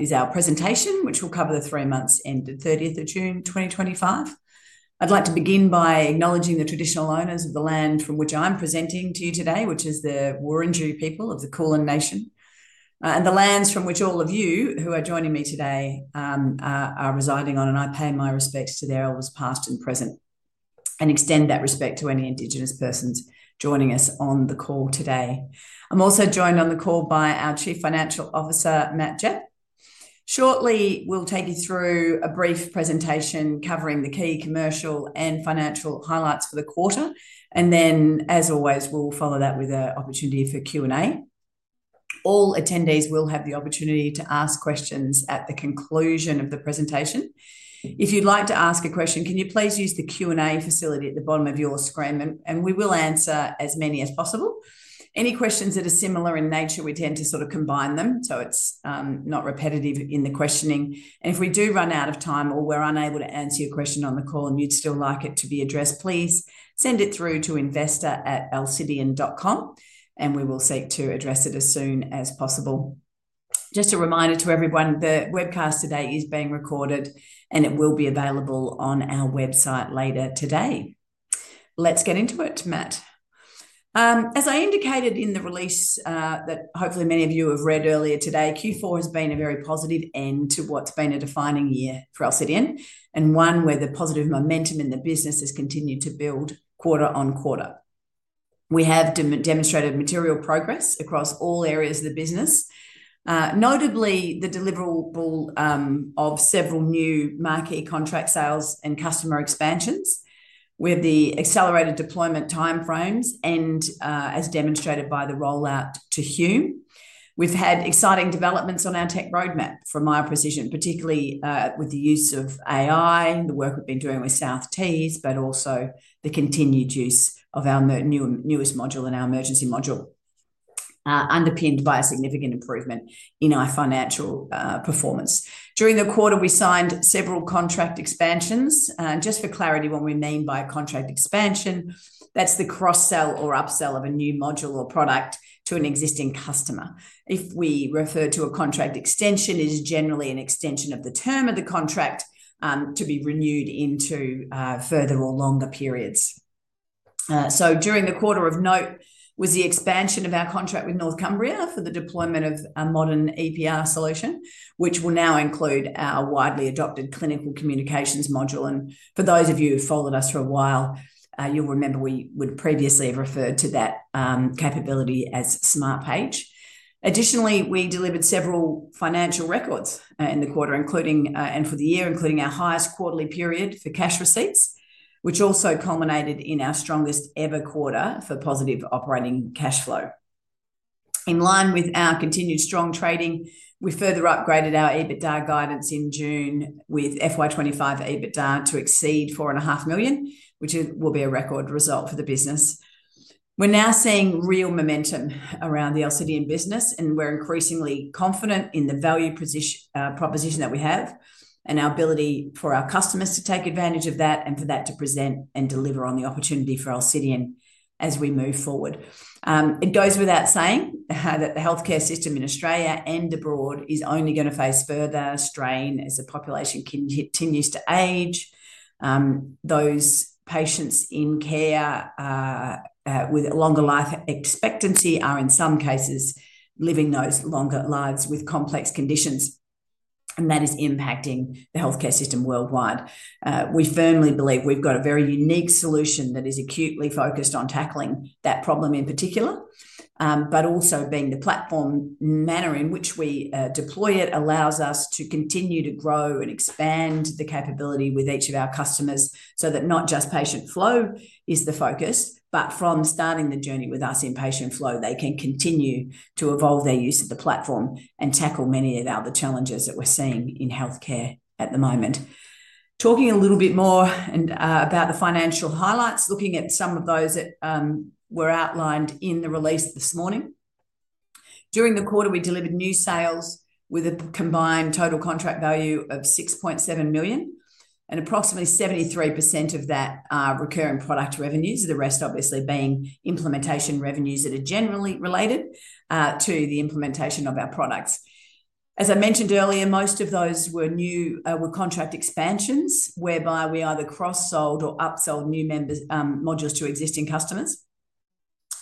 is our presentation, which will cover the three months ended 30th of June 2025. I'd like to begin by acknowledging the Traditional Owners of the land from which I'm presenting to you today, which is the Wurundjeri people of the Kulin Nation, and the lands from which all of you who are joining me today are residing on. I pay my respects to their elders past and present, and extend that respect to any Indigenous persons joining us on the call today. I'm also joined on the call by our Chief Financial Officer, Matt Gepp. Shortly, we'll take you through a brief presentation covering the key commercial and financial highlights for the quarter, and then, as always, we'll follow that with an opportunity for Q&A. All attendees will have the opportunity to ask questions at the conclusion of the presentation. If you'd like to ask a question, can you please use the Q&A facility at the bottom of your screen, and we will answer as many as possible. Any questions that are similar in nature, we tend to sort of combine them so it's not repetitive in the questioning. If we do run out of time or we're unable to answer your question on the call and you'd still like it to be addressed, please send it through to investor@alcidion.com, and we will seek to address it as soon as possible. Just a reminder to everyone, the webcast today is being recorded, and it will be available on our website later today. Let's get into it, Matt. As I indicated in the release that hopefully many of you have read earlier today, Q4 has been a very positive end to what's been a defining year for Alcidion, and one where the positive momentum in the business has continued to build quarter on quarter. We have demonstrated material progress across all areas of the business, notably the delivery of several new marquee contract sales and customer expansions with the accelerated deployment timeframes, as demonstrated by the rollout to Hume. We've had exciting developments on our tech roadmap for Miya Precision, particularly with the use of AI, the work we've been doing with South Tees, and also the continued use of our newest module in our emergency module, underpinned by a significant improvement in our financial performance. During the quarter, we signed several contract expansions, and just for clarity, when we mean by contract expansion, that's the cross-sell or upsell of a new module or product to an existing customer. If we refer to a contract extension, it is generally an extension of the term of the contract to be renewed into further or longer periods. During the quarter of note was the expansion of our contract with North Cumbria for the deployment of a modern EPR solution, which will now include our widely adopted clinical communications module. For those of you who've followed us for a while, you'll remember we would previously have referred to that capability as Smartpage. Additionally, we delivered several financial records in the quarter and for the year, including our highest quarterly period for cash receipts, which also culminated in our strongest ever quarter for positive operating cash flow. In line with our continued strong trading, we further upgraded our EBITDA guidance in June with FY 2025 EBITDA to exceed 4.5 million, which will be a record result for the business. We're now seeing real momentum around the Alcidion business, and we're increasingly confident in the value proposition that we have and our ability for our customers to take advantage of that and for that to present and deliver on the opportunity for Alcidion as we move forward. It goes without saying that the healthcare system in Australia and abroad is only going to face further strain as the population continues to age. Those patients in care with a longer life expectancy are, in some cases, living those longer lives with complex conditions, and that is impacting the healthcare system worldwide. We firmly believe we've got a very unique solution that is acutely focused on tackling that problem in particular, but also being the platform manner in which we deploy it allows us to continue to grow and expand the capability with each of our customers so that not just patient flow is the focus, but from starting the journey with us in patient flow, they can continue to evolve their use of the platform and tackle many of the challenges that we're seeing in healthcare at the moment. Talking a little bit more about the financial highlights, looking at some of those that were outlined in the release this morning. During the quarter, we delivered new sales with a combined total contract value of 6.7 million, and approximately 73% of that are recurring product revenues, the rest obviously being implementation revenues that are generally related to the implementation of our products. As I mentioned earlier, most of those were new contract expansions whereby we either cross-sold or upsold new modules to existing customers.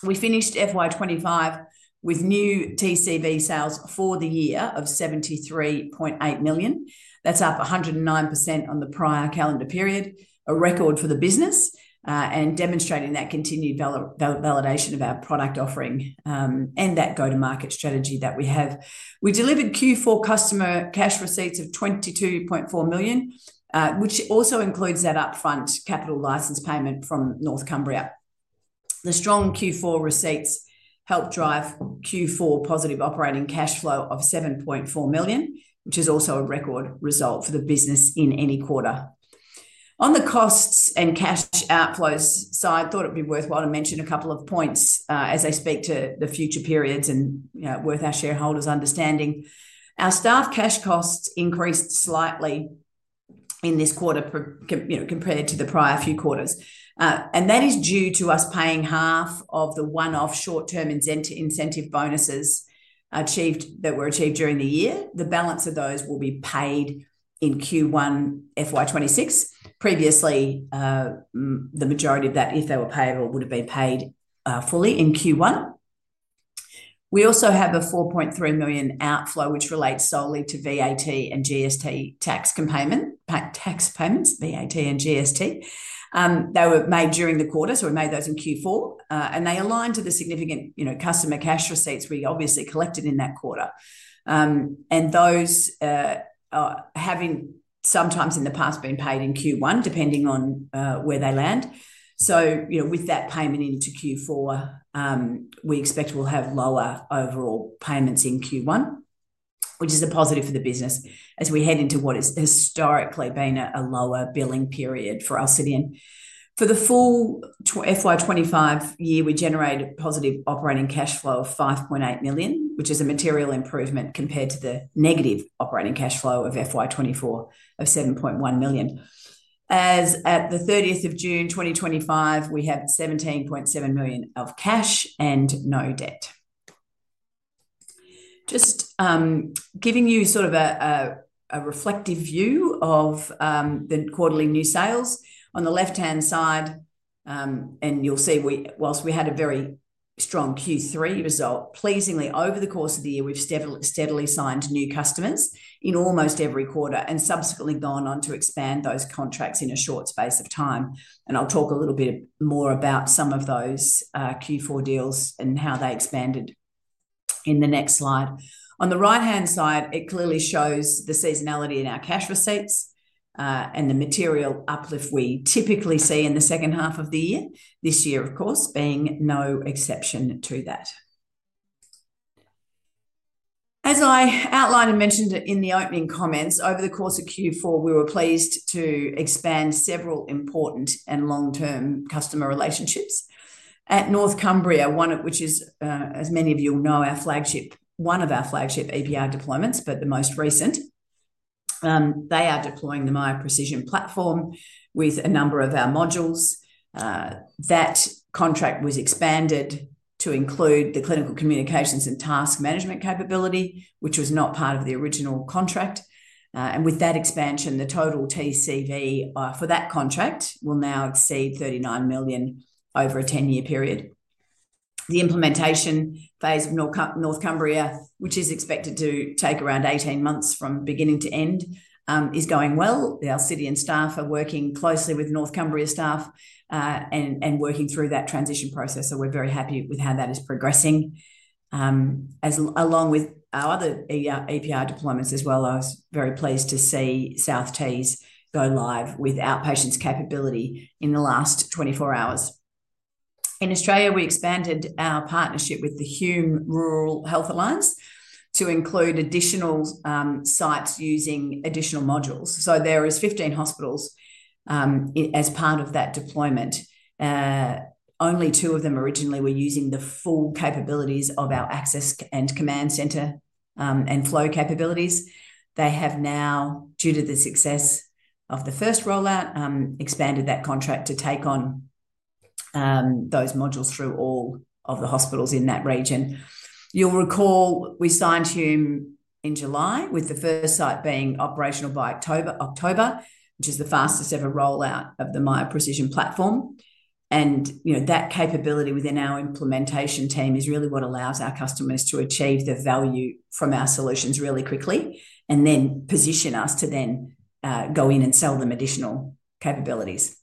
We finished FY 2025 with new TCV sales for the year of 73.8 million. That's up 109% on the prior calendar period, a record for the business, and demonstrating that continued validation of our product offering and that go-to-market strategy that we have. We delivered Q4 customer cash receipts of 22.4 million, which also includes that upfront capital license payment from North Cumbria. The strong Q4 receipts helped drive Q4 positive operating cash flow of 7.4 million, which is also a record result for the business in any quarter. On the costs and cash outflows side, I thought it'd be worthwhile to mention a couple of points as they speak to the future periods and worth our shareholders understanding. Our staff cash costs increased slightly in this quarter compared to the prior few quarters, and that is due to us paying half of the one-off short-term incentive bonuses that were achieved during the year. The balance of those will be paid in Q1 FY 2026. Previously, the majority of that, if they were payable, would have been paid fully in Q1. We also have a 4.3 million outflow, which relates solely to VAT and GST tax payments. VAT and GST, they were made during the quarter, so we made those in Q4, and they aligned to the significant customer cash receipts we obviously collected in that quarter. Those have sometimes in the past been paid in Q1, depending on where they land. With that payment into Q4, we expect we'll have lower overall payments in Q1, which is a positive for the business as we head into what has historically been a lower billing period for Alcidion. For the full FY 2025 year, we generate a positive operating cash flow of 5.8 million, which is a material improvement compared to the negative operating cash flow of FY 2024 of 7.1 million. As at the 30th of June 2025, we have 17.7 million of cash and no debt. Just giving you sort of a reflective view of the quarterly new sales. On the left-hand side, and you'll see whilst we had a very strong Q3 result, pleasingly over the course of the year, we've steadily signed new customers in almost every quarter and subsequently gone on to expand those contracts in a short space of time. I'll talk a little bit more about some of those Q4 deals and how they expanded in the next slide. On the right-hand side, it clearly shows the seasonality in our cash receipts and the material uplift we typically see in the second half of the year, this year of course being no exception to that. As I outlined and mentioned in the opening comments, over the course of Q4, we were pleased to expand several important and long-term customer relationships. At North Cumbria, one of which is, as many of you will know, one of our flagship EPR deployments, but the most recent, they are deploying the Miya Precision platform with a number of our modules. That contract was expanded to include the clinical communications and task management capability, which was not part of the original contract. With that expansion, the total TCV for that contract will now exceed 39 million over a 10-year period. The implementation phase of North Cumbria, which is expected to take around 18 months from beginning to end, is going well. The Alcidion staff are working closely with North Cumbria staff and working through that transition process, so we're very happy with how that is progressing. Along with our other EPR deployments as well, I was very pleased to see South Tees go live with outpatient capability in the last 24 hours. In Australia, we expanded our partnership with the Hume Rural Health Alliance to include additional sites using additional modules. There are 15 hospitals as part of that deployment. Only two of them originally were using the full capabilities of our access and command center and flow capabilities. They have now, due to the success of the first rollout, expanded that contract to take on those modules through all of the hospitals in that region. You'll recall we signed Hume in July with the first site being operational by October, which is the fastest ever rollout of the Miya Precision platform. That capability within our implementation team is really what allows our customers to achieve the value from our solutions really quickly and then position us to then go in and sell them additional capabilities.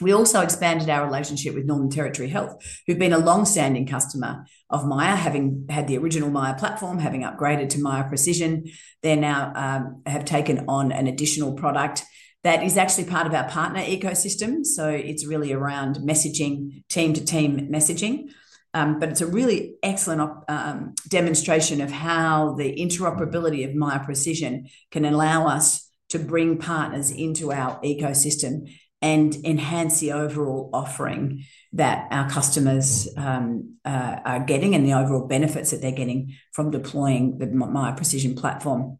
We also expanded our relationship with Northern Territory Health, who've been a longstanding customer of Miya, having had the original Miya platform, having upgraded to Miya Precision. They now have taken on an additional product that is actually part of our partner ecosystem. It is really around messaging, team-to-team messaging. It's a really excellent demonstration of how the interoperability of Miya Precision can allow us to bring partners into our ecosystem and enhance the overall offering that our customers are getting and the overall benefits that they're getting from deploying the Miya Precision platform.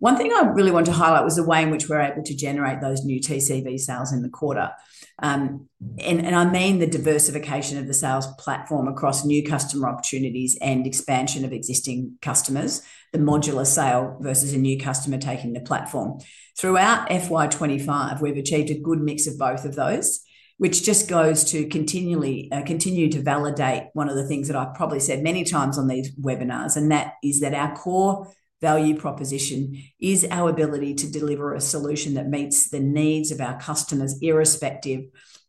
One thing I really want to highlight was the way in which we're able to generate those new TCV sales in the quarter. I mean the diversification of the sales platform across new customer opportunities and expansion of existing customers, the modular sale versus a new customer taking the platform. Throughout FY 2025, we've achieved a good mix of both of those, which just goes to continue to validate one of the things that I've probably said many times on these webinars, and that is that our core value proposition is our ability to deliver a solution that meets the needs of our customers irrespective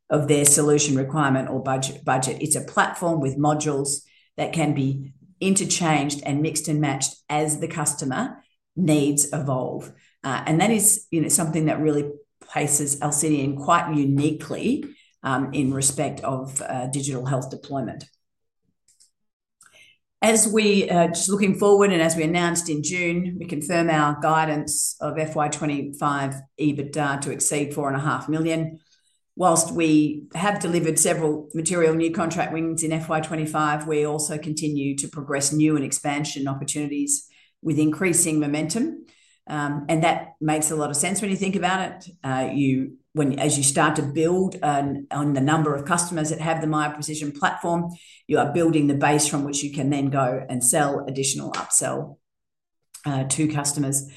of their solution requirement or budget. It's a platform with modules that can be interchanged and mixed and matched as the customer needs evolve. That is something that really places Alcidion quite uniquely in respect of digital health deployment. As we are just looking forward and as we announced in June, we confirm our guidance of FY 2025 EBITDA to exceed 4.5 million. Whilst we have delivered several material new contract wins in FY 2025, we also continue to progress new and expansion opportunities with increasing momentum. That makes a lot of sense when you think about it. As you start to build on the number of customers that have the Miya Precision platform, you are building the base from which you can then go and sell additional upsell to customers.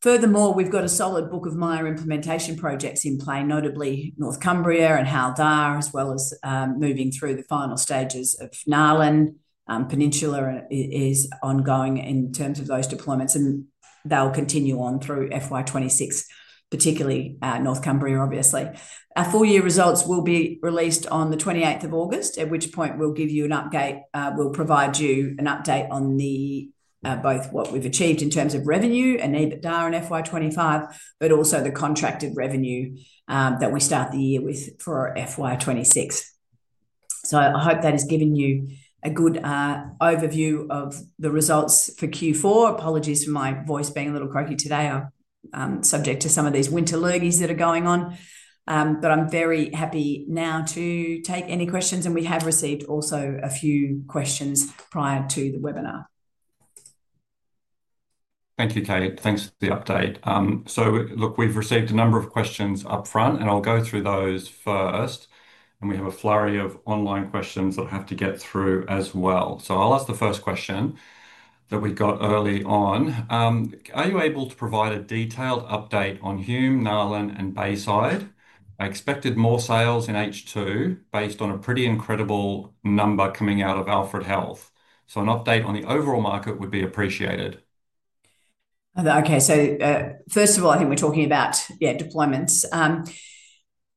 Furthermore, we've got a solid book of Miya implementation projects in play, notably North Cumbria and Hywel Dda, as well as moving through the final stages of Northern Territory Health. Peninsula is ongoing in terms of those deployments, and they'll continue on through FY 2026, particularly North Cumbria, obviously. Our full-year results will be released on the 28th of August, at which point we'll give you an update. We'll provide you an update on both what we've achieved in terms of revenue and EBITDA on FY 2025, but also the contracted revenue that we start the year with for FY 2026. I hope that has given you a good overview of the results for Q4. Apologies for my voice being a little croaky today. I'm subject to some of these winter lurges that are going on, but I'm very happy now to take any questions, and we have received also a few questions prior to the webinar. Thank you, Kate. Thanks for the update. We've received a number of questions up front, and I'll go through those first. We have a flurry of online questions that I have to get through as well. I'll ask the first question that we got early on. Are you able to provide a detailed update on Hume, NALHN, and Bayside? I expected more sales in H2 based on a pretty incredible number coming out of Alfred Health. An update on the overall market would be appreciated. Okay, so first of all, I think we're talking about deployments.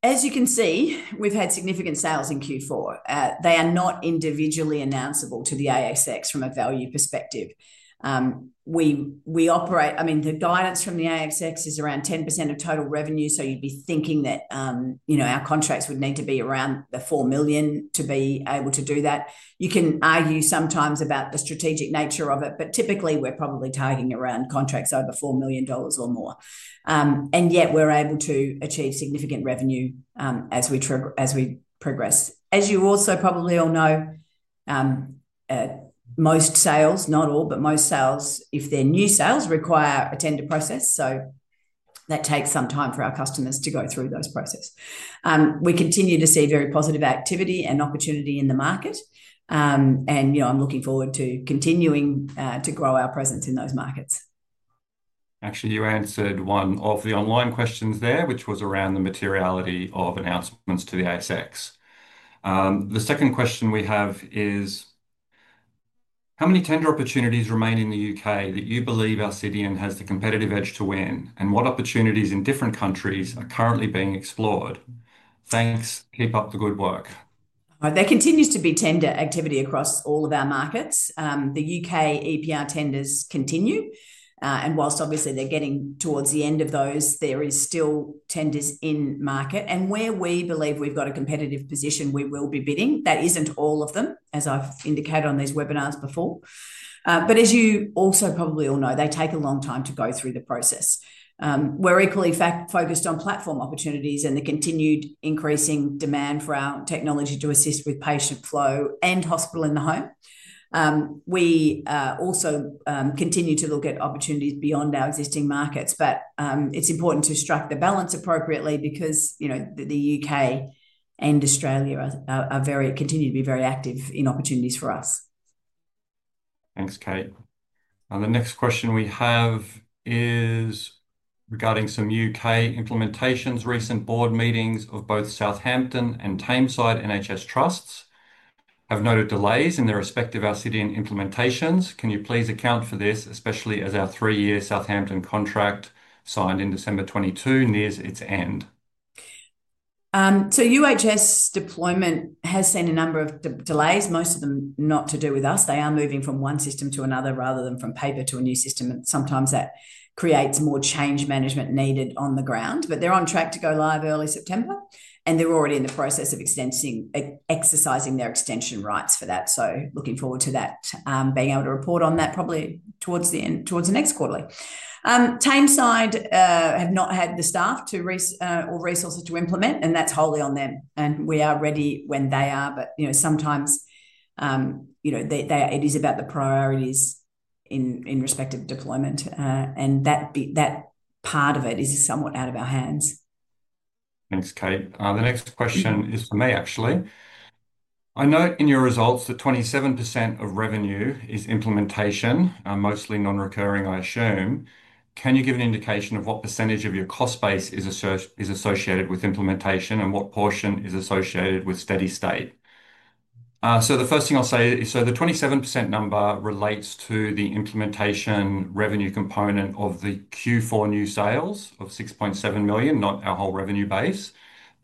As you can see, we've had significant sales in Q4. They are not individually announceable to the ASX from a value perspective. We operate, I mean, the guidance from the ASX is around 10% of total revenue, so you'd be thinking that our contracts would need to be around 4 million to be able to do that. You can argue sometimes about the strategic nature of it, but typically we're probably targeting around contracts over 4 million dollars or more. Yet we're able to achieve significant revenue as we progress. As you also probably all know, most sales, not all, but most sales, if they're new sales, require a tender process, so that takes some time for our customers to go through those processes. We continue to see very positive activity and opportunity in the market, and you know I'm looking forward to continuing to grow our presence in those markets. Actually, you answered one of the online questions there, which was around the materiality of announcements to the ASX. The second question we have is, how many tender opportunities remain in the U.K. that you believe Alcidion has the competitive edge to win, and what opportunities in different countries are currently being explored? Thanks, keep up the good work. There continues to be tender activity across all of our markets. The U.K. EPR tenders continue, and whilst obviously they're getting towards the end of those, there are still tenders in market. Where we believe we've got a competitive position, we will be bidding. That isn't all of them, as I've indicated on these webinars before. As you also probably all know, they take a long time to go through the process. We're equally focused on platform opportunities and the continued increasing demand for our technology to assist with patient flow and hospital in the home. We also continue to look at opportunities beyond our existing markets, but it's important to strike the balance appropriately because the U.K. and Australia continue to be very active in opportunities for us. Thanks, Kate. The next question we have is regarding some U.K. implementations. Recent board meetings of both Southampton and Tameside NHS Trust have noted delays in their respective Alcidion implementations. Can you please account for this, especially as our three-year Southampton contract signed in December 2022 nears its end? UHS deployment has seen a number of delays, most of them not to do with us. They are moving from one system to another rather than from paper to a new system, and sometimes that creates more change management needed on the ground. They're on track to go live early September, and they're already in the process of exercising their extension rights for that. Looking forward to that, being able to report on that probably towards the end, towards the next quarter. Tameside have not had the staff or resources to implement, and that's wholly on them. We are ready when they are, but you know sometimes it is about the priorities in respect to the deployment, and that part of it is somewhat out of our hands. Thanks, Kate. The next question is for me, actually. I note in your results that 27% of revenue is implementation, mostly non-recurring, I assume. Can you give an indication of what percentage of your cost base is associated with implementation and what portion is associated with steady state? The first thing I'll say is the 27% number relates to the implementation revenue component of the Q4 new sales of 6.7 million, not our whole revenue base.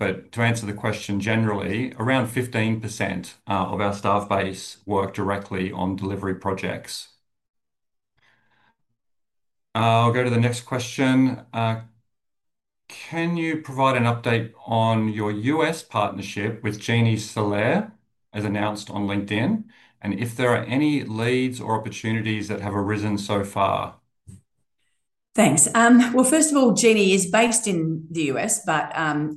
To answer the question generally, around 15% of our staff base work directly on delivery projects. I'll go to the next question. Can you provide an update on your U.S. partnership with Genie Solaire, as announced on LinkedIn, and if there are any leads or opportunities that have arisen so far? Thanks. First of all, Genie is based in the U.S., but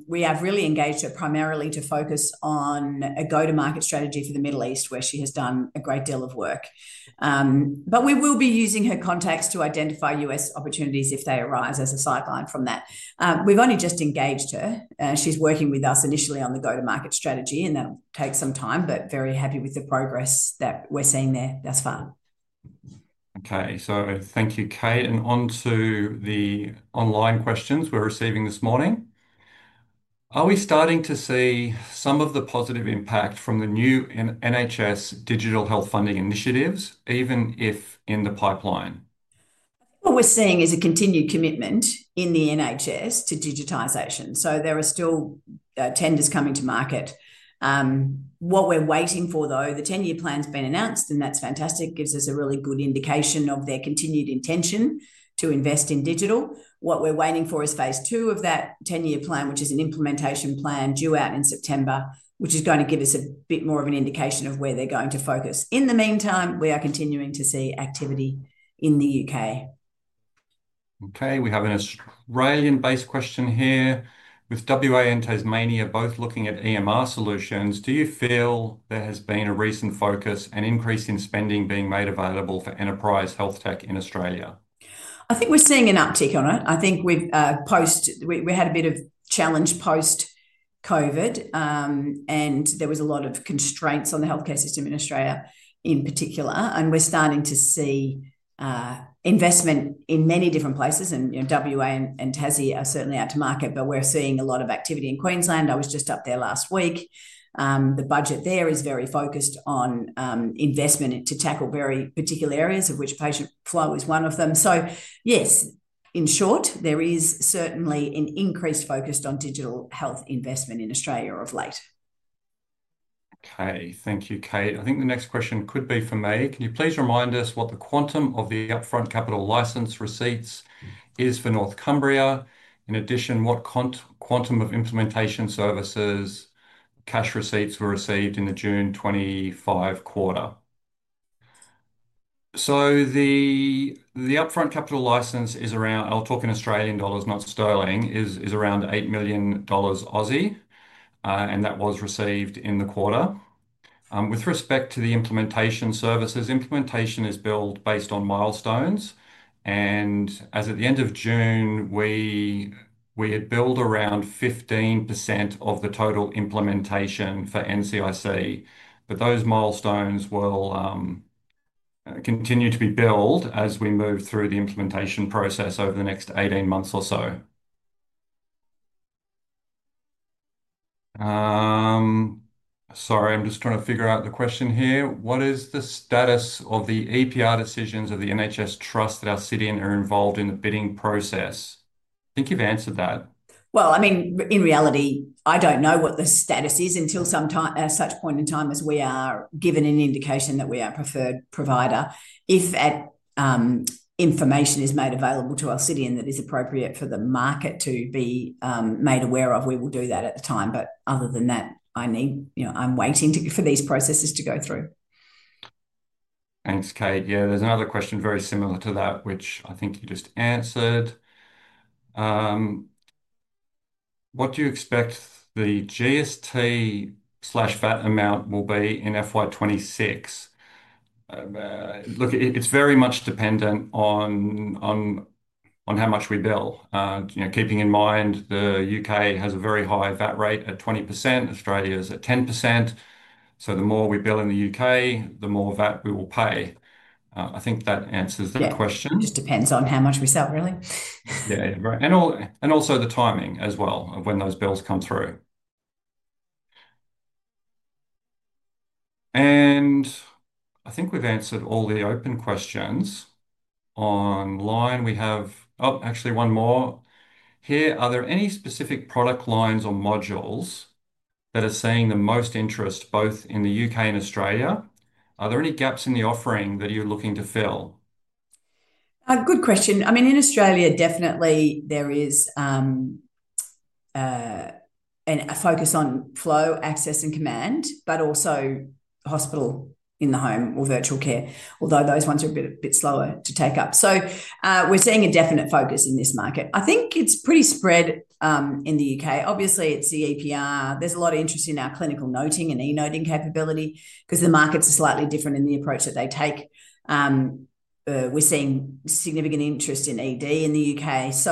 we have really engaged her primarily to focus on a go-to-market strategy for the Middle East, where she has done a great deal of work. We will be using her contacts to identify U.S. opportunities if they arise as a sideline from that. We've only just engaged her. She's working with us initially on the go-to-market strategy, and that'll take some time, but very happy with the progress that we're seeing there thus far. Okay, thank you, Kate. On to the online questions we're receiving this morning. Are we starting to see some of the positive impact from the new NHS digital health funding initiatives, even if in the pipeline? What we're seeing is a continued commitment in the NHS to digitization. There are still tenders coming to market. What we're waiting for, though, the 10-year plan's been announced, and that's fantastic. It gives us a really good indication of their continued intention to invest in digital. What we're waiting for is phase two of that 10-year plan, which is an implementation plan due out in September, which is going to give us a bit more of an indication of where they're going to focus. In the meantime, we are continuing to see activity in the U.K. Okay, we have an Australian-based question here with W.A. and Tasmania both looking at EMR solutions. Do you feel there has been a recent focus and increase in spending being made available for enterprise health tech in Australia? I think we're seeing an uptick on it. I think we had a bit of challenge post-COVID, and there were a lot of constraints on the healthcare system in Australia in particular. We're starting to see investment in many different places, and W.A. and Tasmania are certainly out to market. We're seeing a lot of activity in Queensland. I was just up there last week. The budget there is very focused on investment to tackle very particular areas, of which patient flow is one of them. Yes, in short, there is certainly an increase focused on digital health investment in Australia of late. Okay, thank you, Kate. I think the next question could be for me. Can you please remind us what the quantum of the upfront capital license receipts is for North Cumbria? In addition, what quantum of implementation services cash receipts were received in the June 2025 quarter? The upfront capital license is around, I'll talk in Australian dollars, not sterling, is around 8 million Aussie dollars, and that was received in the quarter. With respect to the implementation services, implementation is billed based on milestones, and as at the end of June, we had billed around 15% of the total implementation for NCIC. Those milestones will continue to be billed as we move through the implementation process over the next 18 months or so. What is the status of the EPR decisions of the NHS trust that Alcidion are involved in the bidding process? I think you've answered that. I mean, in reality, I don't know what the status is until some such point in time as we are given an indication that we are a preferred provider. If that information is made available to Alcidion that is appropriate for the market to be made aware of, we will do that at the time. Other than that, I need, you know, I'm waiting for these processes to go through. Thanks, Kate. Yeah, there's another question very similar to that, which I think you just answered. What do you expect the GST/VAT amount will be in FY 2026? It's very much dependent on how much we bill. You know, keeping in mind the U.K. has a very high VAT rate at 20%, Australia is at 10%. The more we bill in the U.K., the more VAT we will pay. I think that answers the question. It just depends on how much we sell, really. Right. Also, the timing as well of when those bills come through. I think we've answered all the open questions. Online, we have, oh, actually one more. Are there any specific product lines or modules that are seeing the most interest both in the U.K. and Australia? Are there any gaps in the offering that you're looking to fill? Good question. I mean, in Australia, definitely there is a focus on flow, access, and command, but also hospital in the home or virtual care, although those ones are a bit slower to take up. We're seeing a definite focus in this market. I think it's pretty spread in the U.K. Obviously, it's the EPR. There's a lot of interest in our clinical noting and e-noting capability because the markets are slightly different in the approach that they take. We're seeing significant interest in ED in the U.K. It's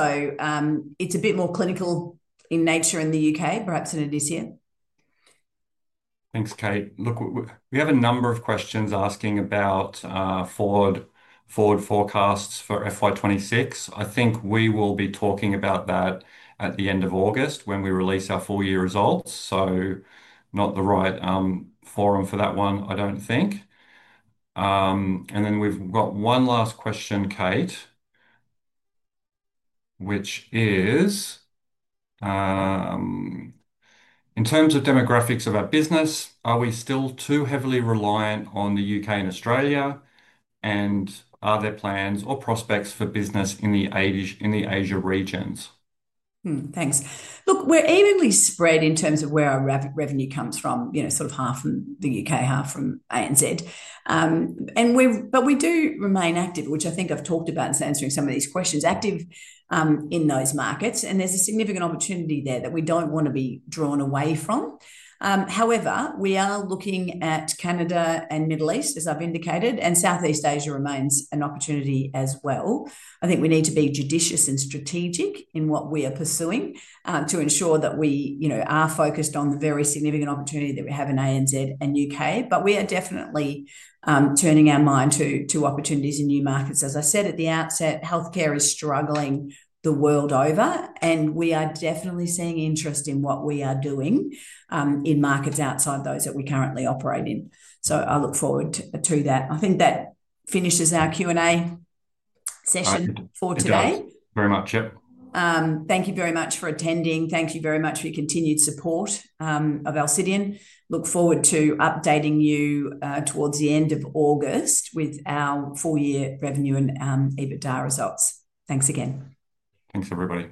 a bit more clinical in nature in the U.K., perhaps in addition. Thanks, Kate. We have a number of questions asking about forward forecasts for FY 2026. I think we will be talking about that at the end of August when we release our full-year results. Not the right forum for that one, I don't think. We've got one last question, Kate, which is, in terms of demographics of our business, are we still too heavily reliant on the U.K. and Australia, and are there plans or prospects for business in the Asia regions? Thanks. Look, we're evenly spread in terms of where our revenue comes from, you know, sort of half from the U.K., half from ANZ. We do remain active, which I think I've talked about in answering some of these questions, active in those markets. There's a significant opportunity there that we don't want to be drawn away from. However, we are looking at Canada and the Middle East, as I've indicated, and Southeast Asia remains an opportunity as well. I think we need to be judicious and strategic in what we are pursuing to ensure that we are focused on the very significant opportunity that we have in ANZ and U.K. We are definitely turning our mind to opportunities in new markets. As I said at the outset, healthcare is struggling the world over, and we are definitely seeing interest in what we are doing in markets outside those that we currently operate in. I look forward to that. I think that finishes our Q&A session for today. Thank you very much. Thank you very much for attending. Thank you very much for your continued support of Alcidion. Look forward to updating you towards the end of August with our full-year revenue and EBITDA results. Thanks again. Thanks everybody.